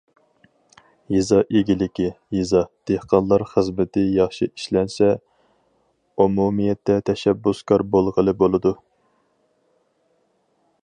« يېزا ئىگىلىكى، يېزا، دېھقانلار» خىزمىتى ياخشى ئىشلەنسە، ئومۇمىيەتتە تەشەببۇسكار بولغىلى بولىدۇ.